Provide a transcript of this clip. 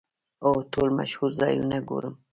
هو، ټول مشهور ځایونه ګورم